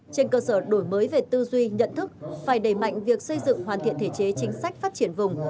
trên cơ sở đổi mới về tư duy nhận thức phải đẩy mạnh việc xây dựng hoàn thiện thể chế chính sách phát triển vùng